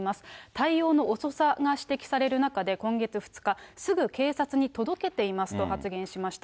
対応の遅さが指摘される中で、今月２日、すぐ警察に届けていますと発言しました。